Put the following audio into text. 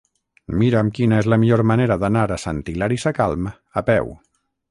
Mira'm quina és la millor manera d'anar a Sant Hilari Sacalm a peu.